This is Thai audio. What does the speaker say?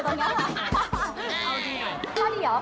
สุดท้ายสุดท้าย